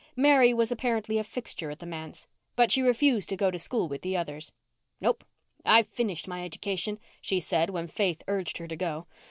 Mary was apparently a fixture at the manse. But she refused to go to school with the others. "Nope. I've finished my education," she said, when Faith urged her to go.